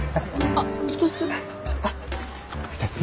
あっ２つ。